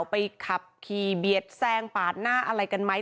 ไปขับขี่เบียดแซงปาดหน้าอะไรกันไหม